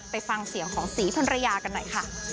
ไปฟังเสียงของศรีพันรยากันหน่อยค่ะ